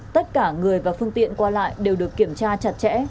tất cả người và phương tiện qua lại đều được kiểm tra chặt chẽ